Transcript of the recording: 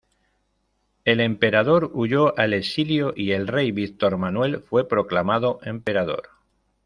El emperador huyó al exilio y el rey Víctor Manuel fue proclamado emperador.